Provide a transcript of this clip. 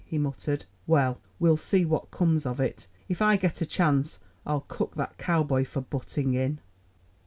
he muttered. "Well, we'll see what comes of it. If I get a chance, I'll cook that cowboy for butting in."